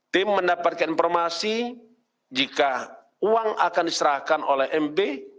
tim mendapatkan informasi jika uang akan diserahkan oleh mb